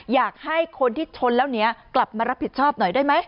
อยากให้คนที่ชนแล้วหนีกลับมารับผิดชอบหน่อยได้ไหม